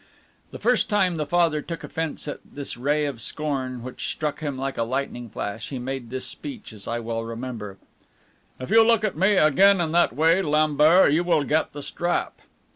The first time the Father took offence at this ray of scorn, which struck him like a lightning flash, he made this speech, as I well remember: "If you look at me again in that way, Lambert, you will get the strap."